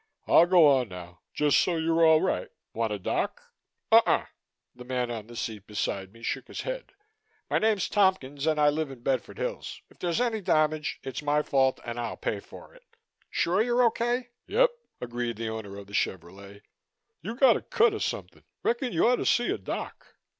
"I'll go on now, just so you're all right. Want a doc?" "Uh uh!" the man on the seat beside me shook his head. "My name's Tompkins and I live in Bedford Hills. If there's any damage, it's my fault and I'll pay for it. Sure you're okay?" "Yep!" agreed the owner of the Chevrolet. "You got a cut or something. Reckon you'd ought to see a doc."